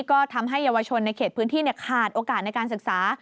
ก็ทำให้เยาวชนในเขตพื้นที่ขาดโอกาสในการศึกษา